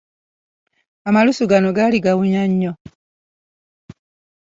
Amalusu gano gaali gawunya nnyo!